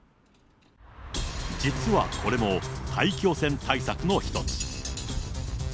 実はこれも、大気汚染対策の一つ。